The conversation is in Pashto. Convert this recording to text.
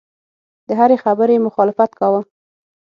د هرې خبرې یې مخالفت کاوه.